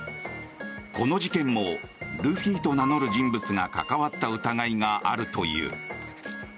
この事件もルフィと名乗る人物が関わった疑いがあるという。